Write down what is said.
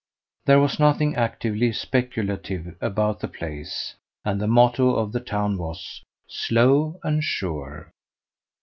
There was nothing actively speculative about the place, and the motto of the town was "Slow and sure."